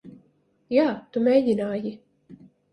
Jā, tu mēģināji.